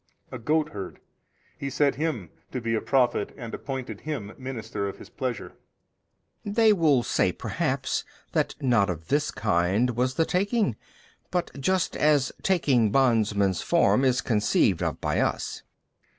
A goatherd, He set him to be a prophet and appointed him minister of His Pleasure. B. They will say perhaps that not of this kind was the taking, but just as taking bondman's form is conceived of by us.